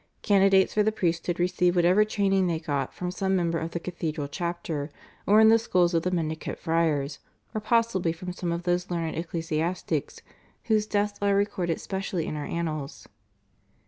Candidates for the priesthood received whatever training they got from some member of the cathedral chapter, or in the schools of the Mendicant Friars, or possibly from some of those learned ecclesiastics, whose deaths are recorded specially in our Annals.